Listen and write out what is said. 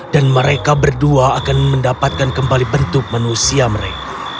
dan mereka berdua akan mendapatkan kembali bentuk manusia mereka